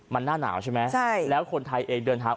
มันหน้าหนาวใช่ไหมใช่แล้วคนไทยเองเดินทาง